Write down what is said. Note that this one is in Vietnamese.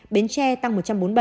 bến tre tăng một trăm bốn mươi bảy